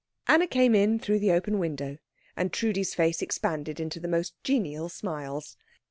Anna came in through the open window, and Trudi's face expanded into the most genial smiles.